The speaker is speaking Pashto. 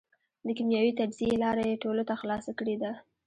د کېمیاوي تجزیې لاره یې ټولو ته خلاصه کړېده.